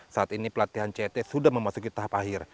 saat ini pelatihan ct sudah memasuki tahap akhir